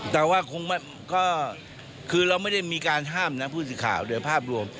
แต่ว่าคงก็คือเราไม่ได้มีการห้ามนะผู้สื่อข่าวโดยภาพรวม